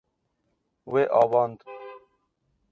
Wê avand.